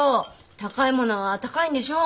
高いものは高いんでしょう？